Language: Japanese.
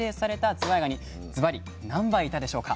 ずわいがにずばり何杯いたでしょうか？